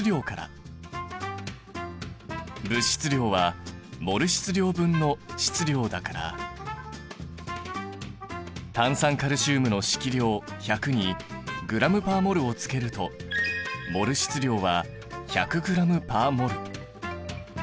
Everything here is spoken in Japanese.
物質量はモル質量分の質量だから炭酸カルシウムの式量１００にｇ／ｍｏｌをつけるとモル質量は１００ｇ／ｍｏｌ。